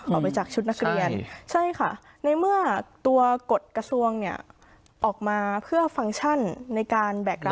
ออกไปจากชุดนักเรียนใช่ค่ะในเมื่อตัวกฎกระทรวงเนี่ยออกมาเพื่อฟังก์ชั่นในการแบกรับ